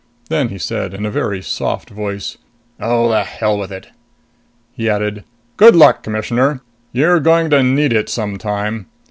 Then he said in a very soft voice, "Oh, the hell with it!" He added, "Good luck, Commissioner you're going to need it some time."